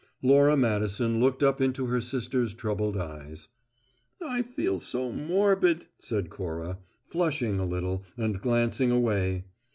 Laura Madison looked up into her sister's troubled eyes. "I feel so morbid," said Cora, flushing a little and glancing away.